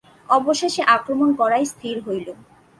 অবশেষে আক্রমণ করাই স্থির হইল।